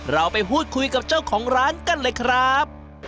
เราไปพูดคุยกับเจ้าของร้านกันเลยครับ